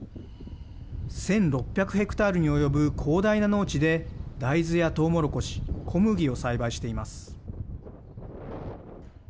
ヘクタールに及ぶ広大な農地で大豆やトウモロコシ小麦を栽培しています。